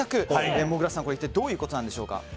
もぐらさんどういうことなんでしょうか。